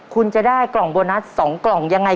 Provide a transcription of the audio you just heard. คุณจะได้กล่องโบนัส๒กล่องยังไง